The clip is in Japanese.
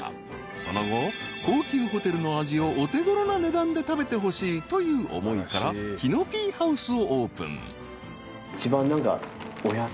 ［その後高級ホテルの味をお手ごろな値段で食べてほしいという思いから木のぴーＨｏｕｓｅをオープン］